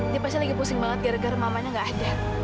dia pasti lagi pusing banget gara gara mamanya gak ada